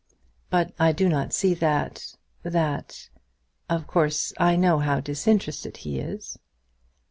"But I do not see that; that Of course I know how disinterested he is."